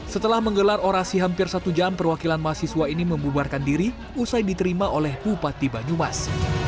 setelah menggelar orasi hampir satu jam perwakilan mahasiswa ini membubarkan diri usai diterima oleh bupati banyumas